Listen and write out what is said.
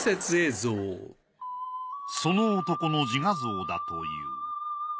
その男の自画像だという。